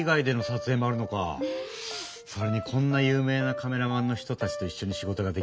それにこんな有名なカメラマンの人たちといっしょに仕事ができるなんて光栄だよ。